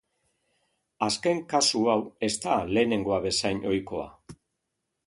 Azken kasu hau ez da lehenengoa bezain ohikoa.